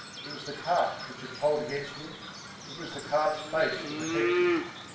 It was the cart which had told against him, it was the cart's place to protect him.